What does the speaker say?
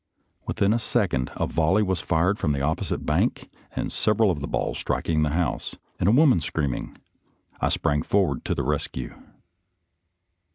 Within a second a volley was fired from the opposite bank, and several of the balls striking the house, and a woman screaming, I sprang forward to the res cue.